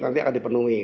nanti akan dipenuhi